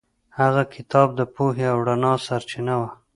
هغه کتاب د پوهې او رڼا سرچینه وه.